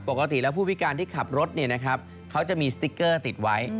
ปกติแล้วผู้พิการที่ขับรถเขาจะมีสติ๊กเกอร์ติดไว้